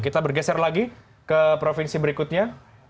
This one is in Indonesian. kita bergeser lagi ke provinsi berikutnya